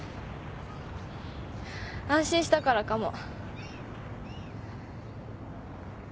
安心したからかも。